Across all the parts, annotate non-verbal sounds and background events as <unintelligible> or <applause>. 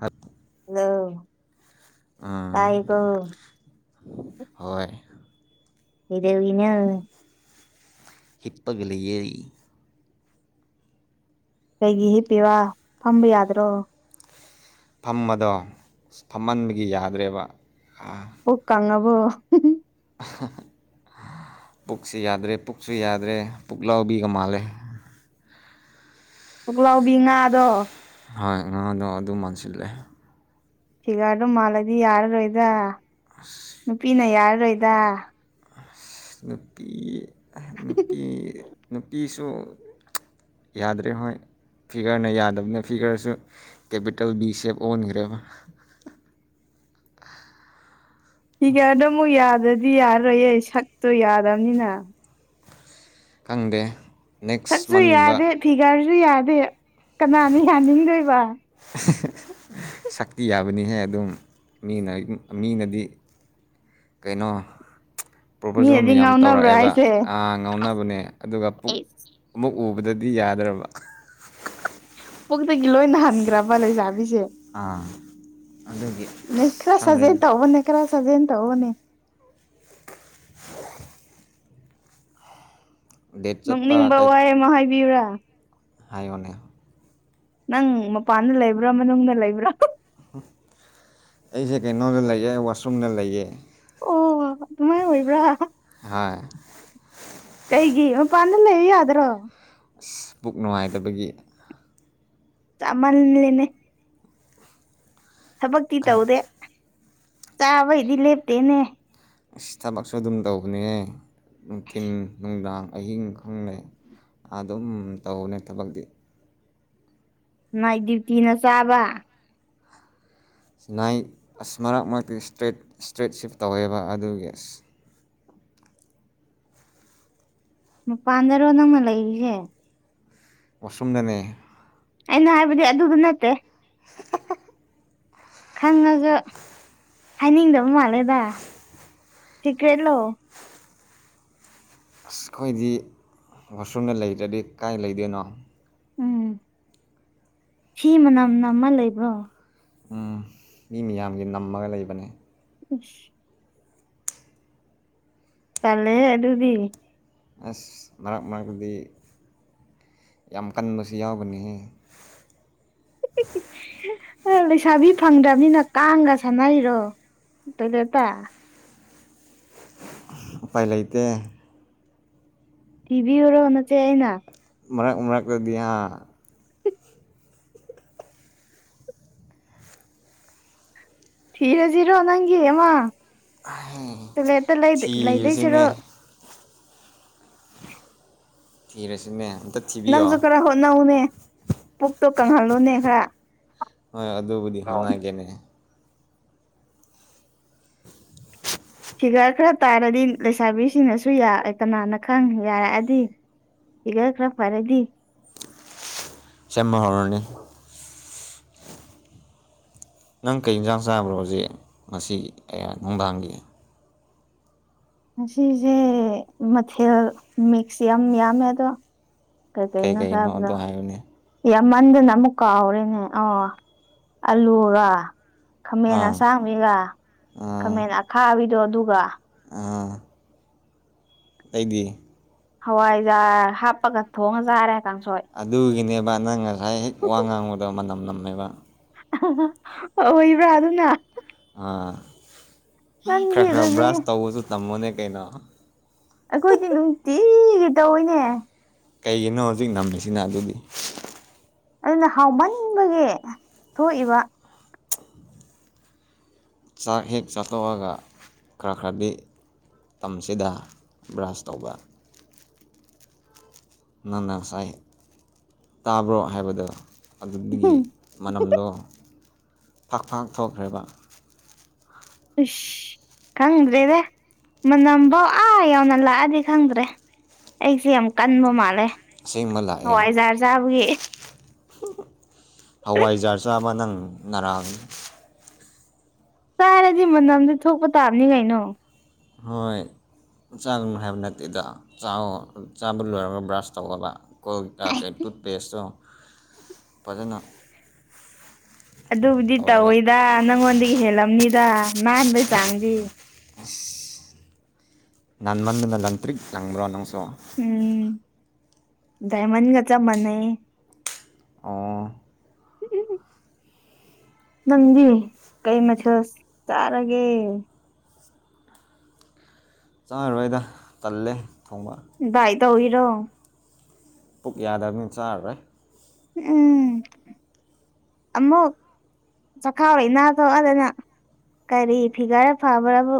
ꯑ <unintelligible> ꯍꯜꯂꫭ ꯇꯥꯏ ꯀꫭ ꯍꯣꯏ ꯀꯩꯗꯧꯔꯤꯅꫭ ꯍꯤꯞꯄꯒ ꯂꯩꯌ‌ꯦ ꯀꯩꯒꯤ ꯍꯤꯞꯄꯤꯕ ꯐꯝꯕ ꯌꯥꯗ꯭ꯔꯣ ꯐꯝꯕꯗꯣ ꯑꯁ ꯐꯝꯃꯟꯕꯒꯤ ꯌꯥꯗ꯭ꯔꯦꯕ ꯑ ꯄꯨꯛ ꯀꯪꯉꯕꯣ ꯄꯨꯛꯁꯨ ꯌꯥꯗ꯭ꯔꯦ ꯄꯨꯛꯁꯨ ꯌꯥꯗ꯭ꯔꯦ ꯄꯨꯛ ꯂꯥꯎꯕꯤꯒ ꯃꯥꯜꯂꯦ ꯄꯨꯛꯂꯥꯎꯕꯤ ꯉꯥꯗꯣ ꯍꯣꯏ ꯉꯥꯥꯡꯗꯣ ꯑꯗꯨ ꯃꯥꯟꯁꯤꯜꯂꯦ꯫ ꯐꯤꯒꯥꯔꯗꯣ ꯃꯥꯜꯂꯗꯤ ꯌꯥꯔꯔꯣꯏꯗ ꯅꯨꯄꯤꯅ ꯌꯥꯔꯔꯣꯏꯗ ꯅꯨꯄꯤ ꯅꯨꯄꯤ ꯅꯨꯄꯤꯁꯨ ꯌꯥꯗ꯭ꯔꯦꯍꯣꯏ ꯐꯤꯒꯔꯅ ꯌꯥꯗꯕꯅ ꯐꯤꯒꯔꯁꯨ ꯀꯦꯄꯤꯇꯦꯜ ꯕꯤꯁꯦꯞ ꯑꯣꯟꯈ꯭ꯔꯦꯕ ꯁꯤꯤꯒꯦꯗ ꯑꯃꯨꯛ ꯌꯥꯗ꯭ꯔꯗꯤ ꯌꯥꯔꯔꯣꯏꯌꯦ ꯁꯛꯇꯣ ꯌꯥꯗꯕꯅꯤꯅ ꯈꯪꯗꯦ ꯅꯦꯛꯁ ꯆꯠꯁꯨ ꯃꯟꯒꯨꯝꯕ ꯌꯥꯗꯦ ꯐꯤꯒꯥꯔꯁꯨ ꯌꯥꯗꯦ ꯀꯅꯥꯅ ꯌꯥꯅꯤꯡꯗꯣꯏꯕ ꯁꯛꯇꯤ ꯌꯥꯕꯅꯤꯍꯦ ꯑꯗꯨꯝ ꯃꯤꯅ ꯃꯤꯅꯗꯤ ꯀꯩꯅꯣ ꯄ꯭ꯔꯣꯄꯣꯖꯦꯜ ꯃꯤꯅꯗꯤ ꯃꯌꯥꯝ ꯉꯥꯎꯅꯕ꯭ꯔꯣ ꯇꯧꯔꯛꯑꯦꯕ ꯍꯥꯏꯁꯦ ꯑ ꯉꯥꯎꯅꯕꯅꯦ ꯑꯗꯨꯒ ꯄꯨꯛ ꯑꯩꯁ ꯑꯃꯨ ꯎꯕꯗꯗꯤ ꯌꯥꯗ꯭ꯔꯕ ꯀꯣꯛꯛꯇꯒꯤ ꯂꯣꯏꯅ ꯍꯟꯈ꯭ꯔꯕ ꯂꯩꯖꯥꯕꯤꯁꯦ ꯑꯗꯨꯗꯒꯤ ꯅ ꯈꯔ ꯁꯖꯩꯅ ꯇꯧꯕꯅꯦ ꯈꯔ ꯁꯖꯩꯅ ꯇꯧꯕꯅꯦ ꯗꯦꯠ ꯆꯠꯄ ꯅꯣꯛꯅꯤꯡꯕ ꯀꯩ ꯋꯥꯍꯩ ꯑꯃ ꯍꯥꯏꯕꯤꯌꯨꯔꯥ ꯍꯥꯏꯌꯣꯅꯦ ꯅꯪ ꯃꯄꯥꯟꯗ ꯂꯩꯕ꯭ꯔꯥ ꯃꯅꯨꯡꯗ ꯂꯩꯕ꯭ꯔꯥ ꯑꯩꯁꯦ ꯀꯩꯅꯣꯗ ꯂꯩꯌꯦꯦ ꯋꯥꯁꯔꯨꯝꯗ ꯂꯩꯌꯦ ꯑꯣ ꯑꯗꯨꯃꯥꯏꯅ ꯑꯣꯏꯕ꯭ꯔꯥ ꯍꯥꯏ ꯀꯩꯒꯤ ꯄꯥꯟ ꯂꯩ ꯌꯥꯗ꯭ꯔꯣ ꯄꯨꯛ ꯅꯨꯡꯉꯥꯏꯇꯕꯒꯤ ꯆꯃꯜ ꯂꯩꯅꯦ ꯊꯕꯛꯇꯤ ꯈꯪ ꯇꯧꯗꯦ ꯆꯥꯕꯩꯗꯤ ꯂꯦꯞꯇꯦꯅꯦ ꯁꯤ ꯊꯕꯛꯁꯨ ꯑꯗꯨꯝ ꯇꯧꯕꯅꯦ ꯅꯨꯡꯊꯤꯟ ꯅꯨꯡꯗꯥꯡ ꯑꯍꯤꯡ ꯈꯪꯦ ꯑꯗꯨꯝ ꯇꯧꯅꯦ ꯊꯕꯛꯇꯤ ꯅꯣꯏ ꯗ꯭ꯌꯨꯇꯤꯅ ꯆꯥꯕ ꯅꯥꯏ ꯑꯁ ꯃꯔꯛ ꯃꯔꯛꯇꯤ ꯏꯁꯇꯦꯠ ꯏꯁꯇ꯭ꯔꯦꯠ ꯁꯤꯞ ꯇꯧꯋꯦꯕ ꯑꯗꯨꯒꯤ ꯑꯁ ꯄꯥꯗꯔ ꯋꯥ ꯅꯃ ꯂꯩꯔꯤꯁꯦ ꯋꯥꯁꯨꯝꯗꯅꯦ ꯑꯩꯅ ꯍꯥꯏꯕꯗꯤ ꯑꯗꯨꯗ ꯅꯠꯇꯦ <unintelligible> ꯈꯪꯉꯁꯨ ꯍꯥꯏꯅꯤꯡꯗꯕ ꯃꯥꯜꯂꯦꯗ ꯁꯤꯀ꯭ꯔꯦꯠ ꯂꯥꯛꯑꯣ ꯑꯁ ꯑꯩꯈꯣꯏꯗꯤ ꯋꯥꯁꯔꯨꯝꯗ ꯂꯩꯗ꯭ꯔꯗꯤ ꯀꯥꯏ ꯂꯩꯗꯣꯏꯅꯣ ꯎꯝ ꯁꯤ ꯃꯅꯝꯅ ꯑꯃ ꯂꯩꯕ꯭ꯔꯣ ꯎ ꯃꯤ ꯃꯌꯥꯝꯒꯤ ꯅꯝꯃꯒ ꯂꯩꯕꯅꯦ <inaudible> ꯇꯜꯂꯦ ꯑꯗꯨꯗꯤ ꯑꯁ ꯃꯔꯛ ꯃꯔꯛꯇꯗꯤ ꯌꯥꯝ ꯀꯟꯕꯁꯨ ꯌꯥꯎꯕꯅꯤꯍ ꯂꯩꯁꯥꯕꯤ ꯐꯪꯗ꯭ꯔꯕꯅꯤꯅ ꯀꯥꯡꯒ ꯁꯥꯟꯅꯩꯔꯣ ꯇꯣꯏꯂꯦꯠꯇ ꯎꯄꯥꯌ ꯂꯩꯇꯦ ꯇꯤꯚꯤ ꯑꯣꯏꯔꯣꯅ ꯆꯏꯅ ꯃꯔꯥꯡ ꯃꯔꯥꯡ ꯀꯗꯗꯤꯌꯥ ꯊꯤꯔꯁꯤꯔꯣ ꯅꯪꯒꯤ ꯑꯃ ꯇꯨꯂꯦꯠꯇ ꯂꯩꯗꯣꯏꯁꯤꯔꯣ ꯊꯤꯔꯁꯤꯅꯦ ꯊꯤꯔꯁꯨꯅꯦ ꯑꯝꯇ꯫ ꯊꯤꯕꯤꯌꯣ ꯅꯪꯁꯨ ꯈꯔ ꯍꯣꯠꯅꯧꯅꯦ ꯄꯨꯛꯇꯣ ꯀꯪꯍꯜꯂꯨꯅꯦ ꯈꯔ ꯍꯣꯏ ꯑꯗꯨꯕꯨꯗꯤ ꯍꯣꯠꯅꯒꯦꯅꯦ ꯐꯤꯒꯔ ꯈꯔ ꯇꯥꯔꯗꯤ ꯂꯩꯁꯥꯕꯤꯁꯤꯡꯅꯁꯨ ꯌꯥ ꯀꯅꯥꯅ ꯈꯪ ꯌꯥꯔꯛꯑꯗꯤ ꯏ ꯀ꯭ꯔ ꯐꯔꯦꯗꯤ ꯁꯦꯝꯃꯍꯣꯔꯅꯤ ꯅꯪ ꯀꯩ ꯌꯦꯟꯁꯥꯡ ꯆꯥꯕ꯭ꯔꯣ ꯍꯧꯖꯤꯛ ꯉꯁꯤ ꯑꯩꯍꯥꯛ ꯅꯨꯡꯗꯥꯡꯒꯤ ꯑꯁꯤꯁꯦ ꯃꯊꯦꯜ ꯃꯤꯛꯁ ꯌꯥꯝ ꯌꯥꯝꯃꯦ ꯑꯗꯣ ꯀꯩ ꯀꯩꯩꯅꯣ ꯀꯩꯅꯣ ꯆꯥꯕꯗꯣ ꯑꯗꯣ ꯍꯥꯏꯌꯨꯅꯦ ꯌꯥꯝꯃꯟꯗꯅ ꯑꯃꯨꯛ ꯀꯥꯎꯔꯦꯅꯦ ꯑꯣ ꯑꯂꯨꯔ ꯈꯥꯃꯦꯟ ꯑꯥ ꯑꯁꯥꯡꯕꯤꯒ ꯑꯥ ꯈꯥꯃꯦꯟ ꯑꯈꯥꯕꯤꯗꯣ ꯑꯗꯨꯒ ꯑꯥ ꯑꯩꯗꯤ ꯍꯋꯥꯏꯖꯥꯔ ꯍꯥꯞꯄꯒ ꯊꯣꯡꯉ ꯆꯥꯔꯦ ꯀꯥꯡꯁꯣꯏ ꯑꯗꯨꯒꯤꯅꯦꯕ ꯅꯪ ꯉꯁꯥꯏ ꯍꯦꯛ ꯋꯥ ꯉꯥꯡꯕꯗꯣ ꯃꯅꯝ ꯅꯝꯃꯦꯕ ꯑꯣꯏꯕ꯭ꯔꯥ ꯑꯗꯨꯅ ꯅꯪꯗꯤ ꯈꯔ ꯈꯔ ꯑꯗꯨꯗꯤ ꯕ꯭ꯔꯁ ꯇꯧꯕꯁꯨ ꯇꯝꯃꯣꯅꯦ ꯀꯩꯅꯣ ꯑꯩꯈꯣꯏꯗꯤ ꯅꯨꯡꯇꯤꯒꯤ ꯇꯧꯔꯤꯅꯦ ꯀꯩꯒꯤꯅꯣ ꯍꯧꯖꯤꯛ ꯅꯝꯃꯤꯁꯤꯅ ꯑꯗꯨꯗꯤ ꯑꯗꯨꯅ ꯍꯥꯎꯃꯟꯕꯒꯤ ꯊꯣꯛꯏꯕ ꯆꯥꯛ ꯍꯦꯛ ꯆꯥꯊꯣꯛꯑꯒ ꯈꯔ ꯈꯔꯗꯤ ꯃꯇꯝꯁꯤꯗ ꯕ꯭ꯔꯁ ꯇꯧꯕ ꯅꯪꯅ ꯉꯁꯥꯏ ꯇꯥꯕ꯭ꯔꯣ ꯍꯥꯏꯕꯗꯣ ꯑꯗꯨꯗꯒꯤ ꯎꯝ ꯃꯅꯝꯗꯣ ꯐꯥꯛ ꯐꯥꯛ ꯊꯣꯛꯈ꯭ꯔꯦꯕ ꯎꯁ ꯈꯪꯗ꯭ꯔꯦꯗ ꯃꯅꯝꯐꯥꯎ ꯑꯥ ꯌꯥꯎꯅ ꯂꯥꯛꯑꯗꯤ ꯈꯪꯗ꯭ꯔꯦ ꯑꯩꯁꯦ ꯌꯥꯝ ꯀꯟꯕ ꯃꯥꯜꯂꯦ ꯑꯁꯦꯡꯕ ꯍꯋꯥꯏꯖꯥꯔ ꯆꯕꯒꯤ ꯍꯋꯥꯏ ꯖꯥꯔ ꯆꯥ ꯑꯃ ꯅꯪ ꯅꯔꯥꯡ ꯆꯥꯔꯗꯤ ꯃꯅꯝꯗꯤ ꯊꯣꯛꯄ ꯇꯥꯕꯅꯤ ꯀꯩꯅꯣ ꯍꯣꯏ ꯆꯥꯒꯅ ꯍꯥꯏꯕ ꯅꯠꯇꯦꯗ ꯆꯥꯕ ꯂꯣꯏꯔꯒ ꯕ꯭ꯔꯁ ꯇꯧꯒꯂ ꯀꯣꯜ ꯀ ꯇꯨꯠꯄꯦꯁꯇꯣ ꯐꯖꯅ ꯑꯗꯨꯕꯨꯗꯤ ꯇꯧꯔꯒ ꯇꯧꯋꯤꯗ ꯅꯪꯉꯣꯟꯗꯒꯤ ꯍꯦꯜꯂꯝꯅꯤꯗ ꯅꯥꯟꯕ ꯆꯥꯡꯗꯤ ꯑ ꯅꯥꯟꯃꯟꯗꯅ ꯂꯪꯇ꯭ꯔꯤꯛ ꯂꯪꯕꯔ꯭ ꯅꯪꯁꯣ ꯎꯝ ꯗꯥꯏꯃꯟꯒ ꯆꯞ ꯃꯥꯟꯅꯩ ꯑꯣ ꯅꯪꯗꯤ ꯀꯩ ꯃꯊꯦꯜ ꯆꯥꯔꯒꯦ ꯆꯥꯔꯣꯏꯗ ꯇꯜꯂꯦ ꯊꯣꯡꯕ ꯚꯥꯏ ꯇꯧꯔꯤꯔꯣ ꯄꯨꯛ ꯌꯥꯗꯕꯅꯤ ꯆꯥꯔꯔꯣꯏ ꯎꯝ ꯑꯃꯑꯣꯛ ꯆꯈꯥꯎ ꯏꯅꯥ ꯊꯣꯛꯑꯗꯅ ꯀꯔꯤ ꯐꯤꯒꯔ ꯐꯕ꯭ꯔꯕꯨ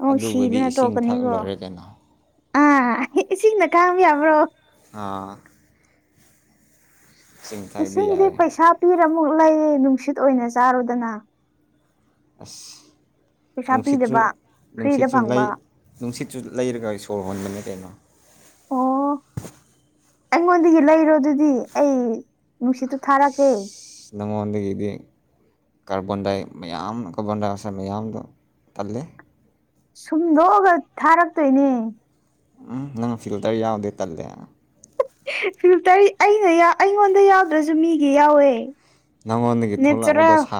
ꯑꯣ ꯑꯗꯨꯕꯨꯗꯤ ꯁꯤꯗꯅ ꯏꯁꯤꯡ ꯊꯛ ꯇꯣꯛꯀꯥꯅꯤꯀꯣ ꯂꯣꯏꯔꯦ ꯀꯩꯅꯣ ꯑꯥ ꯏꯁꯤꯡꯅ ꯈꯥꯡꯕ ꯌꯥꯕ꯭ꯔꯣ ꯑꯥ ꯏꯁꯤꯡ ꯊꯛꯑꯗꯤ ꯏꯁꯤꯡꯗꯤ ꯌꯥꯔꯦ ꯄꯩꯁꯥ ꯄꯤꯔꯃꯨꯛ ꯂꯩꯌꯦ ꯅꯨꯡꯁꯤꯠ ꯑꯣꯏꯅ ꯆꯥꯔꯨꯗꯅ ꯑꯁ ꯄꯩꯁꯥ ꯅꯅꯨꯡꯁꯤꯠꯁꯨ ꯄꯤꯗꯕ ꯅꯨꯡꯁꯤꯠ ꯐ꯭ꯔꯤꯗ ꯆꯨꯂꯥꯏ ꯐꯪꯕ ꯅꯨꯡꯁꯤꯠꯁꯨ ꯂꯩꯔꯒ ꯁꯣꯔ ꯍꯣꯟꯕꯅꯦ ꯀꯩꯅꯣ ꯑꯣ ꯑꯩꯉꯣꯟꯗꯒꯤ ꯂꯩꯔꯣ ꯑꯗꯨꯗꯤ ꯑꯩ ꯅꯨꯡꯁꯤꯠꯇꯨ ꯊꯥꯔꯛꯀꯦ ꯅꯉꯣꯟꯗꯥꯒꯤꯗꯤ ꯀꯔꯔꯕꯣꯟꯟꯗꯥꯏ ꯃꯌꯥꯝ ꯀꯕꯣꯟꯗꯥꯏ ꯑꯁꯥꯏ ꯃꯌꯥꯝꯗꯣ ꯇꯜꯂꯦ ꯁꯨꯝꯗꯣꯛꯑꯒ ꯊꯥꯔꯛꯇꯣꯏꯅꯦ ꯎꯝ ꯅꯪ ꯐꯤꯜꯇꯔ ꯌꯥꯎꯗꯦ ꯇꯜꯂꯦ ꯐꯇꯔꯤ ꯑꯩꯅ ꯑꯩꯉꯣꯟꯗ ꯌꯥꯎꯗ꯭ꯔꯁꯨ ꯃꯤꯒꯤ ꯌꯥꯎꯋꯦ ꯅꯪꯉꯣꯟꯗꯒꯤ ꯊꯣꯛꯂꯛꯕꯗꯣ ꯅꯦꯆꯔꯦꯜ ꯁꯥ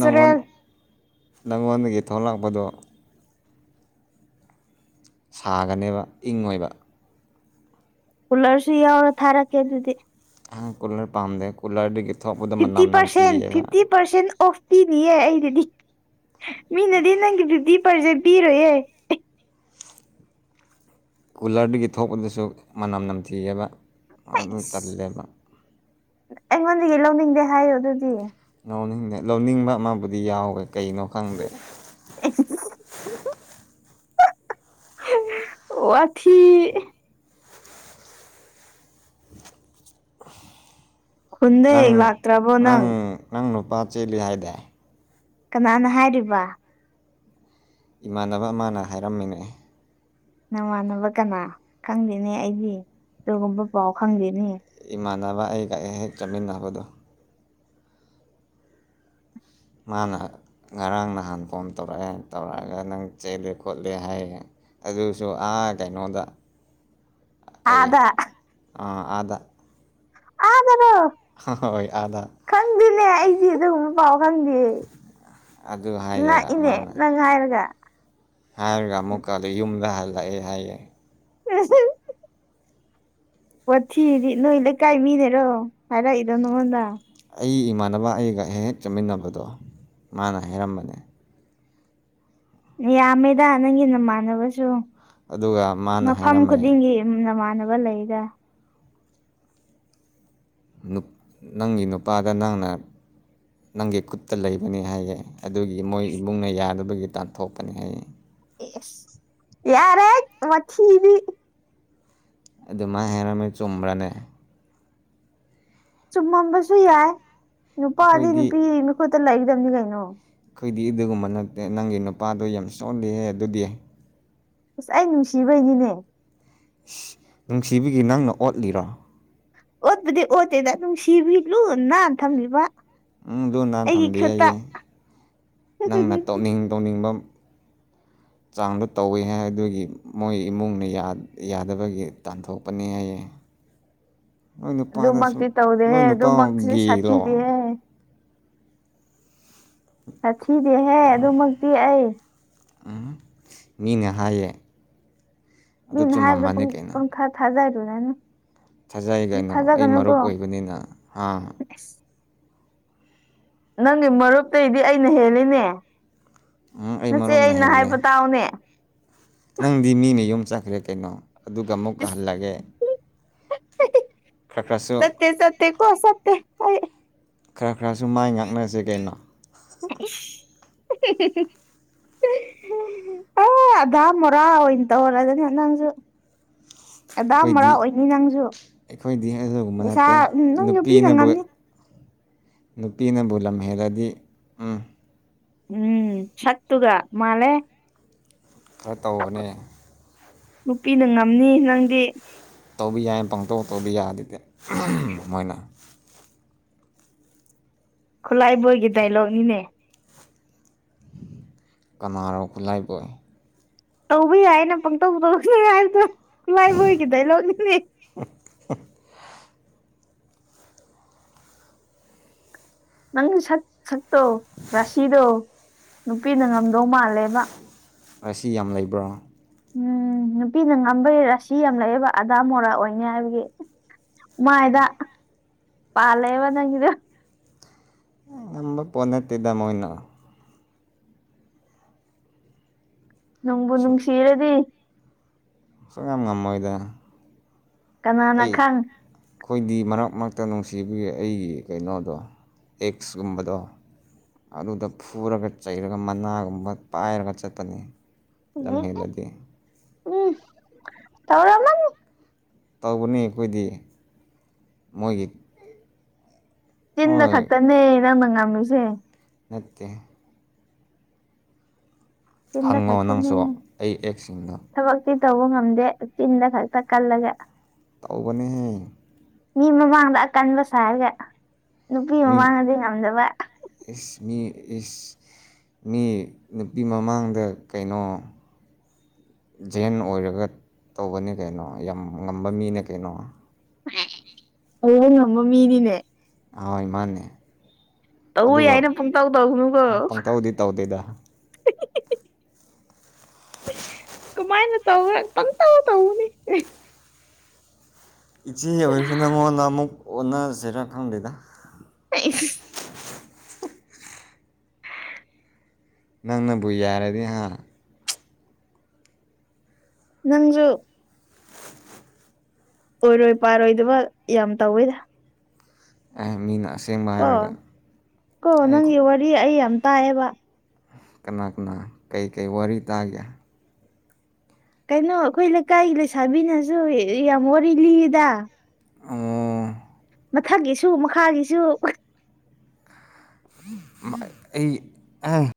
ꯅꯪꯉꯣꯟ ꯅꯉꯣꯟꯗꯒꯤ ꯊꯣꯛꯂꯛꯄꯗꯣ ꯁꯥꯒꯅꯦꯕ ꯏꯉꯣꯏꯕ ꯀꯨꯂꯔꯁꯨ ꯌꯥꯎꯔ ꯊꯥꯔꯛꯀꯦ ꯑꯗꯨꯗꯤ꯫ ꯑꯍꯪ ꯀꯨꯜꯂꯔ ꯄꯥꯝꯗꯦ ꯀꯨꯜꯂꯔꯗꯒꯤ ꯊꯣꯛꯄꯗꯣ ꯃꯅꯝ ꯅꯝꯊꯤꯌꯦꯕ꯫ ꯄꯔꯁꯦꯟ ꯑꯣꯐ ꯄꯤꯅꯤꯌꯦ ꯑꯩꯗꯤ ꯃꯤꯅꯗꯤ ꯅꯪꯒꯤ ꯐꯤꯇꯤ꯫ ꯐꯔꯁꯦ ꯄꯤꯔꯣꯏꯌꯦ꯫ ꯀꯨꯂꯔꯗꯨꯒꯤ ꯊꯣꯛꯄꯗꯁꯨ ꯃꯅꯝ ꯅꯝꯊꯤꯑꯕ ꯑꯗꯨ ꯑꯩꯁ ꯇꯜꯂꯦꯕ ꯑꯩꯉꯣꯟꯗꯒꯤ ꯂꯧꯅꯤꯡꯗꯦ ꯍꯥꯏꯌꯣ ꯑꯗꯨꯗꯤ ꯂꯧꯅꯤꯡꯗꯦ ꯂꯧꯅꯤꯡꯕ ꯑꯃꯕꯨꯗꯤ ꯌꯥꯎꯋꯦ ꯀꯩꯅꯣ ꯈꯪꯗꯦ꯫ <inaudible> ꯋꯥꯊꯤ꯫ ꯈꯨꯟꯗ ꯅꯪ ꯍꯦꯛ ꯂꯥꯛꯇ꯭ꯔꯕꯣ ꯅꯪ ꯅꯪ ꯅꯨꯄꯥ ꯆꯦꯜꯂꯤ ꯍꯥꯏꯗꯤ ꯀꯅꯥꯅ ꯍꯥꯏꯔꯤꯕ꯫ ꯏꯃꯥꯟꯅꯕ ꯑꯃꯅ ꯍꯥꯏꯔꯝꯃꯤꯅꯑꯦ ꯅꯃꯥꯟꯅꯕ ꯀꯅꯥ ꯈꯪꯗꯦꯅꯦ ꯑꯩꯒꯤ ꯑꯗꯨꯒꯨꯝꯕ ꯄꯥꯎ ꯈꯪꯗꯦꯅꯦ ꯏꯃꯥꯟꯅꯕ ꯑꯩꯒ ꯍꯦꯛ ꯆꯠꯃꯤꯟꯅꯕꯗꯣ ꯃꯥꯅ ꯉꯔꯥꯡ ꯅꯍꯥꯟꯐꯣꯝ ꯇꯧꯔꯛꯑꯦ ꯇꯧꯔꯛꯑꯒ ꯅꯪ ꯆꯦꯜꯂꯦ ꯈꯣꯠꯂꯦ ꯍꯥꯏꯌꯦ ꯑꯗꯨꯁꯨ ꯑꯥ ꯀꯩꯅꯣꯗ꯫ <inaudible> ꯀꯩ ꯑꯥꯗ ꯑꯥꯗ ꯑꯥ ꯇꯔꯣ ꯍꯣꯏ ꯑꯥꯗ ꯈꯪꯗꯦꯅꯦ ꯑꯩꯗꯤ ꯑꯗꯨꯒꯨꯝꯕ ꯄꯥꯎ ꯈꯪꯗꯦ꯫ ꯑꯗꯨ ꯍꯥꯏꯌꯦ ꯉꯥꯛꯏꯅꯦ ꯃꯥꯅ ꯅꯪ ꯍꯥꯏꯔꯒ ꯍꯥꯏꯔꯒ ꯑꯃꯨꯛꯀꯗ ꯌꯨꯝꯗ ꯍꯜꯂꯛꯑꯦ ꯍꯥꯏꯌꯦ <unintelligible> ꯋꯥꯊꯤꯗꯤ ꯅꯣꯏ ꯂꯩꯀꯥꯏ ꯃꯤꯅꯦꯔꯣ ꯍꯥꯏꯔꯛꯏꯗꯣ ꯅꯉꯣꯟꯗ꯫ ꯑꯩ ꯏꯃꯥꯟꯅꯕ ꯑꯩꯒ ꯍꯦꯛ ꯍꯦꯛ ꯆꯠꯃꯤꯟꯅꯕꯗꯣ ꯃꯥꯅ ꯍꯥꯏꯔꯝꯕꯅꯦ꯫ ꯌꯥꯝꯃꯦꯗ ꯅꯪꯒꯤ ꯅꯃꯥꯟꯅꯕꯁꯨ꯫ ꯑꯗꯨꯒ ꯃꯥꯅ ꯃꯐꯝ ꯍꯥꯏꯔꯝꯃꯦ ꯈꯨꯗꯤꯡꯒꯤ ꯅꯃꯥꯟꯅꯕ ꯂꯩꯔ꯫ ꯅꯪꯒꯤ ꯅꯨꯄꯥꯗ ꯅꯪꯅ ꯅꯪꯒꯤ ꯈꯨꯠꯇ ꯂꯩꯕꯅꯤ ꯍꯥꯏꯌꯦ ꯑꯗꯨꯒꯤ ꯃꯣꯏ ꯏꯃꯨꯡꯅ ꯌꯥꯗꯕꯒꯤ ꯇꯥꯟꯊꯣꯛꯄꯅꯤ ꯍꯥꯏꯌꯦ ꯌꯥꯔꯦ ꯃꯊꯤꯗꯤ ꯑꯗꯨꯃꯥꯏ ꯍꯥꯏꯔꯝꯃꯦ ꯆꯨꯝꯕ꯭ꯔꯅꯦ꯫ ꯆꯨꯝꯃꯝꯕꯁꯨ ꯌꯥꯏ ꯅꯨꯄꯥꯗꯤ ꯑꯩꯈꯣꯏꯗꯤ ꯅꯨꯄꯤ ꯃꯤꯨꯠꯇ ꯂꯩꯒꯗꯕꯅꯤ ꯀꯩꯅꯣ ꯑꯩꯈꯣꯏꯗꯤ ꯑꯗꯨꯒꯨꯝꯕ ꯅꯠꯇꯦ ꯅꯪꯒꯤ ꯅꯨꯄꯥꯗꯣ ꯌꯥꯝ ꯆꯣꯜꯂꯤꯍꯦ ꯑꯗꯨꯗꯤ꯫ ꯑꯁ ꯑꯩ ꯅꯨꯡꯁꯤꯕꯩꯅꯤꯅꯦ꯫ ꯏꯁ ꯅꯨꯡꯁꯤꯕꯤꯒꯤ ꯅꯪꯅ ꯑꯣꯠꯂꯤꯔꯣ꯫ ꯑꯣꯠꯄꯗꯤ ꯑꯣꯠꯇꯦꯗ ꯅꯨꯡꯁꯤꯕꯤ ꯂꯨ ꯅꯥꯟꯅ ꯊꯝꯃꯤꯕ꯫ ꯎ ꯑꯗꯨ ꯑꯩꯒꯤ ꯊꯝꯗꯦ ꯍꯥꯏꯌꯦ ꯈꯨꯠꯇ ꯅꯪꯅ ꯇꯧꯅꯤꯡ ꯇꯧꯅꯤꯡꯕ <inaudible> ꯆꯥꯡꯗꯣ ꯇꯧꯋꯤ ꯍꯥꯏ ꯑꯗꯨꯒꯤ ꯃꯣꯏ ꯏꯃꯨꯡꯅ ꯌꯥꯗꯕꯒꯤ ꯇꯥꯟꯊꯣꯛꯄꯅꯤ ꯍꯥꯏꯌꯦ꯫ ꯅꯣꯏ ꯅꯨꯄꯥꯗꯁꯨ ꯑꯗꯨꯃꯛꯇꯤ ꯇꯧꯗꯦ ꯅꯣꯏ ꯅꯨꯄꯥ ꯑꯗꯨꯃꯛꯇꯤꯗꯤ ꯒꯦꯂꯣ ꯁꯥꯊꯤꯗꯍꯦ ꯆꯊꯤꯗꯤꯍꯦ ꯑꯗꯨꯃꯛꯇꯤ ꯑꯩ ꯃꯤꯅꯍꯌꯦ ꯃꯤꯅ ꯍꯥꯏꯕꯗ ꯄꯪ ꯀꯩꯅꯣ ꯄꯪꯊꯥ ꯊꯥꯖꯔꯨꯔꯥꯅꯨ꯫ ꯊꯥꯖꯩ ꯀꯩꯅꯣ ꯑꯩ ꯃꯔꯨꯞ ꯑꯣꯏꯕꯅꯤꯅ ꯍꯥ <inaudible> ꯅꯪꯒꯤ ꯃꯔꯨꯞꯇꯗꯤ ꯑꯩꯅ ꯍꯦꯜꯂꯤꯅꯦ ꯎꯝ ꯑꯩ ꯅꯆꯦ ꯃꯔꯨꯞꯅ ꯑꯩꯅ ꯍꯦꯜꯂꯦ ꯍꯥꯏꯕ ꯇꯥꯎꯅꯦ ꯅꯪꯗꯤ ꯃꯤꯅ ꯌꯨꯝ ꯆꯠꯈ꯭ꯔꯦ ꯀꯩꯅꯣ ꯑꯗꯨꯒ ꯑꯃꯨꯛꯀ ꯏꯁ ꯍꯜꯂꯒꯦ꯫ ꯈꯔ ꯈꯔꯁꯨ ꯆꯠꯇꯦ ꯆꯠꯇꯦꯀꯣ ꯆꯠꯇꯦ ꯑꯩ꯫ ꯈꯔ ꯈꯔꯁꯨ ꯃꯥꯏ ꯉꯥꯛꯅꯁꯦ ꯀꯩꯅꯣ꯫ <inaudible> ꯑ ꯑꯗꯥꯃꯣꯔꯥ ꯑꯣꯏꯅ ꯇꯧꯔꯗꯅ ꯅꯪꯁꯨ꯫ <inaudible> ꯑꯗꯥ ꯃꯣꯔꯥ ꯑꯩꯈꯣꯏꯗꯤ ꯑꯣꯏꯅꯤ ꯅꯪꯁꯨ ꯑꯩꯈꯣꯏꯗꯤ ꯑꯗꯨꯒꯨꯝꯕ ꯄꯩꯁꯥ ꯅꯠꯇꯦ ꯅꯪ ꯅꯨꯄꯤꯅ ꯅꯨꯄꯤꯅꯕꯨ ꯉꯝꯅꯤ ꯅꯨꯄꯤꯅꯕꯨ ꯂꯝ ꯍꯦꯜꯂꯗꯤ ꯎꯝ꯫ ꯎꯝ ꯁꯠꯇꯨꯒ ꯃꯥꯂꯦ ꯈꯔ ꯇꯧꯕꯅꯦ ꯅꯨꯄꯤꯅ ꯉꯝꯅꯤ ꯅꯪꯗꯤ ꯇꯧꯕ ꯌꯥꯏꯅ ꯄꯪꯇꯧ ꯇꯧꯕ ꯌꯥꯗꯦꯗꯤ ꯃꯣꯏꯅ ꯈꯨꯠꯂꯥꯏꯕꯣꯏꯒꯤ ꯗꯥꯏꯂꯣꯛꯅꯤꯅꯦ ꯀꯅꯥꯔꯣ ꯈꯨꯠꯂꯥꯏꯕꯣꯏ꯫ ꯇꯧꯕ ꯌꯥꯏꯅ ꯄꯪꯇꯧ ꯇꯧꯒꯅꯨ ꯍꯥꯏꯕꯗꯣ ꯈꯨꯂꯥꯏꯕꯣꯏꯒꯤ ꯗꯥꯏꯂꯣꯒꯅꯤꯅꯦ <unintelligible> ꯅꯪ ꯁꯛ ꯁꯛꯇꯣ ꯔꯥꯁꯤꯗꯣ ꯅꯨꯄꯤꯅ ꯉꯝꯗꯧ ꯃꯥꯜꯂꯦꯕ ꯔꯥꯁꯤ ꯌꯥꯝ ꯂꯩꯕ꯭ꯔꯣ ꯎꯝ ꯅꯨꯄꯤꯅ ꯉꯝꯕꯩ ꯔꯥꯁꯤ ꯌꯥꯝ ꯂꯩꯑꯦꯕ ꯑꯗꯥ ꯃꯣꯔꯥ ꯑꯣꯏꯅꯤ ꯍꯥꯏꯕꯒꯤ꯫ ꯃꯥꯏꯗ ꯄꯥꯜꯂꯦꯕ ꯅꯪꯒꯤꯗꯨ ꯉꯝꯕ ꯄꯣ ꯅꯠꯇꯦꯗ ꯃꯣꯏꯅ ꯅꯨꯡꯕꯨ ꯅꯨꯡꯁꯤꯔꯗꯤ ꯁꯨꯉꯝ ꯉꯝꯃꯣꯏꯗ ꯀꯅꯥꯅ ꯑꯩ ꯈꯪ ꯑꯩꯈꯣꯏꯗꯤ ꯃꯔꯛ ꯃꯔꯛꯇ ꯅꯨꯡꯁꯤꯕꯒꯤ ꯑꯩꯒꯤ ꯀꯩꯅꯣꯗꯣ ꯑꯦꯛꯁꯀꯨꯝꯕꯗꯣ ꯑꯗꯨꯗ ꯐꯨꯔꯒ ꯆꯩꯔꯒ ꯃꯅꯥꯒꯨꯝꯕ ꯄꯥꯏꯔꯒ ꯆꯠꯄꯅꯦ ꯎꯝ ꯇꯧꯔꯝꯃꯅꯤ ꯇꯧꯕꯅꯤ ꯑꯩꯈꯣꯏꯗꯤ ꯃꯣꯏꯒꯤ꯫ ꯆꯤꯟꯗ ꯍꯣꯏ ꯈꯛꯇꯅꯦ ꯅꯪꯅ ꯉꯝꯃꯤꯁꯦ꯫ ꯅꯠꯇꯦ꯫ ꯆꯤꯟꯗ ꯍꯪꯉꯣ ꯈꯛꯇꯅꯦ ꯅꯪꯁꯨ ꯑꯩ ꯑꯦꯛꯁꯤꯡꯗ ꯊꯕꯛꯇꯤ ꯇꯧꯕ ꯉꯝꯗꯦ ꯆꯤꯟꯗ ꯈꯛꯇ ꯀꯜꯂꯒ ꯇꯧꯕꯅꯦꯍꯦ ꯃꯤ ꯃꯃꯥꯡꯗ ꯑꯀꯟꯕ ꯁꯥꯔꯒ ꯅꯨꯄꯤ ꯃꯤ ꯃꯃꯥꯡꯗꯗꯤ ꯉꯝꯗꯕ ꯏꯁ ꯃꯤ ꯏꯁ ꯃꯤ ꯅꯨꯄꯤ ꯃꯃꯥꯡꯗ ꯀꯩꯅꯣ ꯖꯦꯟ ꯑꯣꯏꯔꯒ ꯇꯧꯕꯅꯦ ꯀꯩꯅꯣ ꯌꯥꯝ ꯉꯝꯕ ꯃꯤꯅꯦ ꯀꯩꯅꯣ <unintelligible> ꯉꯝꯕ ꯃꯤꯅꯤꯅꯦ ꯍꯣꯏ ꯃꯥꯅꯦ ꯇꯧꯕ ꯑꯗꯨꯒ ꯌꯥꯏꯅ ꯄꯨꯡꯇꯧ ꯇꯧꯒꯅꯨꯀꯣ ꯄꯪꯇꯧꯗꯤ ꯇꯧꯗꯦꯗ ꯀꯥꯏꯅ ꯇꯧꯔ ꯄꯪꯇꯧ ꯇꯧꯕꯅꯤ ꯏꯆꯦ ꯑꯣꯏꯔꯁꯨ ꯅꯪꯉꯣꯟꯗ ꯑꯃꯨꯛ ꯑꯣꯟꯅꯁꯤꯔꯥ ꯈꯪꯗꯦꯗ <unintelligible> ꯅꯪꯅꯕꯨ ꯌꯥꯔꯗꯤ ꯍꯥ ꯅꯪꯁꯨ ꯑꯣꯏꯔꯣꯏ ꯄꯥꯔꯣꯏꯗꯕ ꯌꯥꯝ ꯇꯧꯋꯦꯗ ꯑ ꯃꯤꯅ ꯑꯁ ꯀꯣ ꯀꯣ ꯅꯪꯒꯤ ꯋꯥꯔꯤ ꯑꯩ ꯌꯥꯝ ꯇꯥꯏꯌꯦꯕ ꯀꯅꯥ ꯀꯅꯥ ꯀꯩꯀꯩ ꯋꯥꯔꯤ ꯇꯥꯒꯦ ꯀꯩꯅꯣ ꯑꯩꯈꯣꯏ ꯂꯩꯀꯥꯏꯒꯤ ꯂꯩꯁꯥꯕꯤꯅꯁꯨ ꯌꯥꯝ ꯋꯥꯔꯤ ꯂꯤꯗ ꯑꯣ ꯃꯊꯛꯀꯤꯁꯨ ꯃꯈꯥꯒꯤꯁꯨ ꯑꯩ ꯑ